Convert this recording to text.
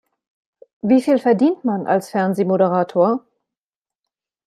Wie viel verdient man als Fernsehmoderator?